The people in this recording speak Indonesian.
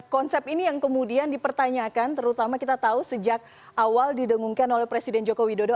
konsep ini yang kemudian dipertanyakan terutama kita tahu sejak awal didengungkan oleh presiden joko widodo